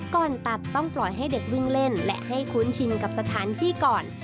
ก่อนตัดต้องปล่อยให้เด็กวิ่งเล่นและให้คุ้นชินกับสถานที่ก่อน